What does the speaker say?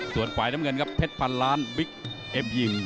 ส่วนฝ่ายน้ำเงินครับเพชรพันล้านบิ๊กเอ็บยิม